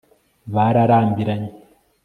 bararambiranye